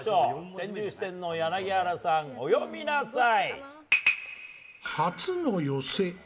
川柳四天王柳原さん、お詠みなさい！